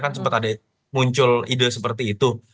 kan sempat ada muncul ide seperti itu